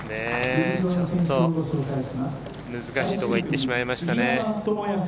ちょっと難しい所に行ってしまいましたね。